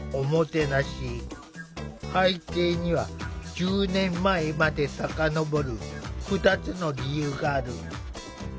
背景には１０年前まで遡る２つの理由がある。